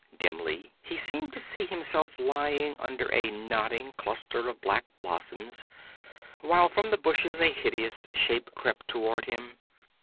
Dimly he seemed to see himself lying under a nodding cluster of black blossoms, while from the bushes a hideous shape crept toward him.